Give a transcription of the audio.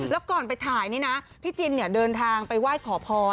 แล้วก่อนไปถ่ายนี่นะพี่จินเดินทางไปไหว้ขอพร